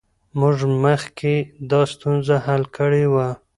موږ مخکې دا ستونزه حل کړې وه.